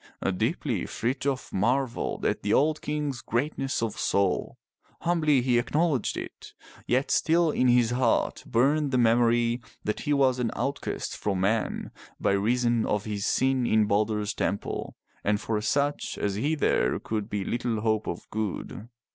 Deeply Frithjof marveled at the old King's greatness of soul, humbly he acknowledged it, yet still in his heart burned the memory that he was an outcast from men by reason of his sin in Balder's temple, and for such as he there could be little hope of good.